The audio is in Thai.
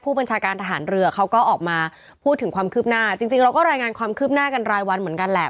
บัญชาการทหารเรือเขาก็ออกมาพูดถึงความคืบหน้าจริงเราก็รายงานความคืบหน้ากันรายวันเหมือนกันแหละ